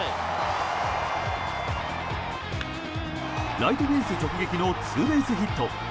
ライトフェンス直撃のツーベースヒット。